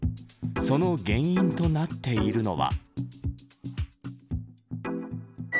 その原因となっているのは。